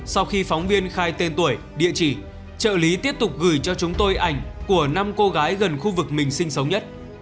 sau khi phóng viên khai tên tuổi địa chỉ trợ lý tiếp tục gửi cho chúng tôi ảnh của năm cô gái gần khu vực mình sinh sống nhất